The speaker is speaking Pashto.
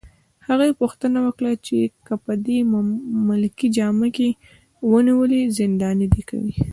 هغې پوښتنه وکړه: که په دې ملکي جامه کي ونیولې، زنداني دي کوي؟